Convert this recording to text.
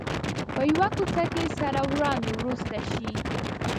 په یوه کوڅه کې سره وړاندې ورسته شي.